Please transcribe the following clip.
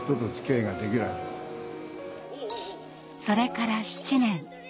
それから７年。